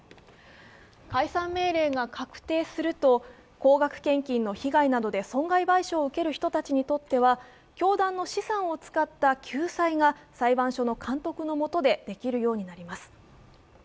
解散命令が確定すると高額献金の被害などで損害賠償を受ける人たちは教団の資産を使った救済が裁判所の監督の下で行うことができるようになります。